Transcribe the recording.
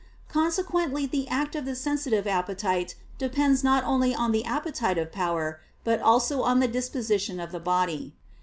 Consequently the act of the sensitive appetite depends not only on the appetitive power, but also on the disposition of the body.